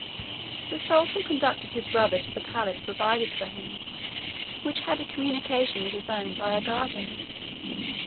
The sultan conducted his brother to the palace provided for him, which had a communication with his own by a garden.